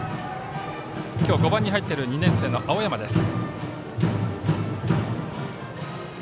今日５番に入っている２年生、青山です。